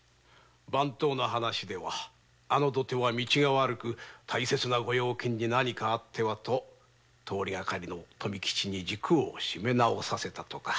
番頭の話ではあの土手は道が悪く大切な御用金に何かあってはと通りがかりの富吉に軸を締め直させたとか。